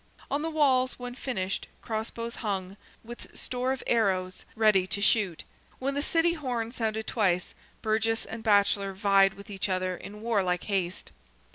On the walls, when finished, cross bows hung, with store of arrows ready to shoot; when the city horn sounded twice, burgess and bachelor vied with each other in warlike haste.